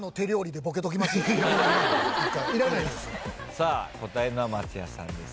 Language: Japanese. さあ答えるのは松也さんです。